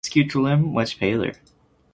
Scutellum much paler.